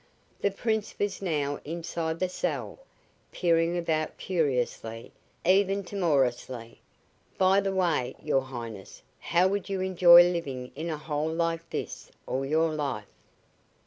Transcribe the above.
The Prince was now inside the cell, peering about curiously, even timorously. "By the way, your Highness, how would you enjoy living in a hole like this all your life?"